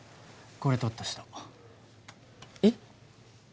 これ撮った人えっ